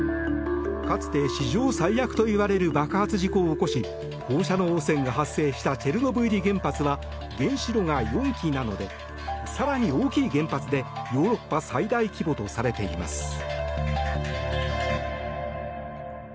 かつて史上最悪といわれる爆発事故を起こし放射能汚染が発生したチェルノブイリ原発は原子炉が４基なので更に大きい原発でヨーロッパ最大規模とされています。